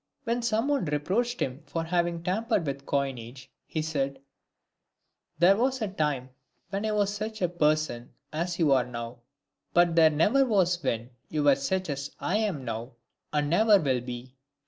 When some one reproached him for having tampered with the coinage, he said, "There was a time when I was such a person as you are now ; but there never was when you were such as I am now, and never will be."